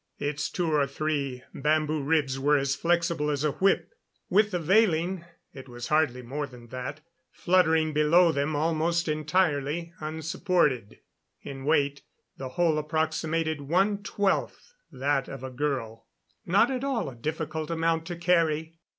Its two or three bamboo ribs were as flexible as a whip, with the veiling it was hardly more than that fluttering below them almost entirely unsupported. In weight, the whole approximated one twelfth that of a girl, not at all a difficult amount to carry.